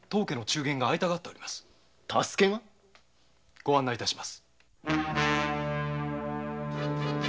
ご案内します。